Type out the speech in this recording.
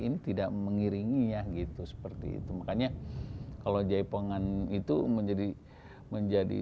ini tidak mengiringi ya gitu seperti itu makanya kalau jaipongan itu menjadi menjadi